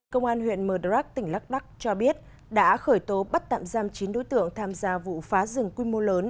công an huyện mờ đà rắc tỉnh lắc đắc cho biết đã khởi tố bắt tạm giam chín đối tượng tham gia vụ phá rừng quy mô lớn